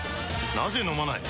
なぜ飲まない？